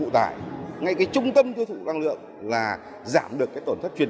do vậy phát triển năng lượng mặt trời được tp hcm